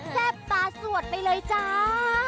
แซ่บปลาสวดไปเลยจ้า